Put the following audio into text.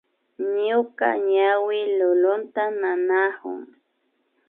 Ñuka ñawi lulunta nanakun